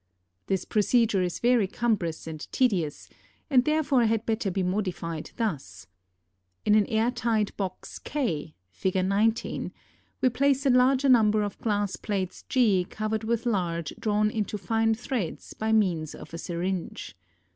[Illustration: FIG. 18.] This procedure is very cumbrous and tedious and therefore had better be modified thus: In an air tight box K (Fig. 19) we place a larger number of glass plates g covered with lard drawn into fine threads by means of a syringe.